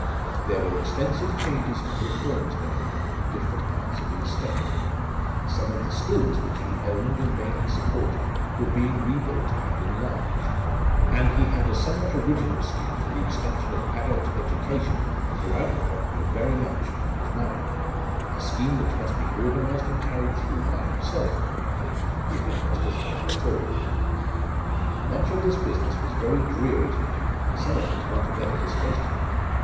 There were extensive changes and reforms going on in different parts of the estate: some of the schools which he owned and mainly supported were being rebuilt and enlarged; and he had a somewhat original scheme for the extension of adult education throughout the property very much on his mind a scheme which must be organised and carried through by himself apparently, if it was to thrive at all. Much of this business was very dreary to him, some of it altogether distasteful.